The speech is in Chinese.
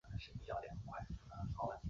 小臭鼩为鼩鼱科臭鼩属的动物。